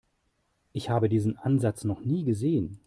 Ich habe diesen Ansatz noch nie gesehen.